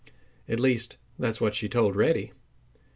At least, that's what she told Reddy.